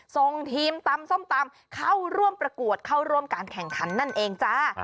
ส่งทีมตำส้มตำเข้าร่วมประกวดเข้าร่วมการแข่งขันนั่นเองจ้า